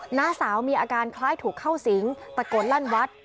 หน้าสาวมีอาการคล้ายถูกเข้าสิงตะโกนลั่นวัด